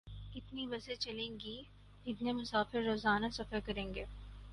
اتنی بسیں چلیں گی، اتنے مسافر روزانہ سفر کریں گے۔